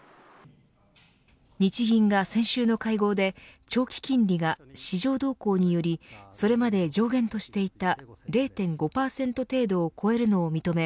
日銀が先週の会合で長期金利が市場動向によりそれまで上限としていた０．５％程度を超えるのを認め